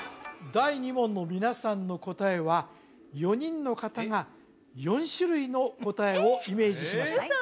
第２問の皆さんの答えは４人の方が４種類の答えをイメージしました嘘！